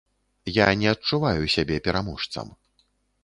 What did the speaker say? Я не адчуваю сябе пераможцам.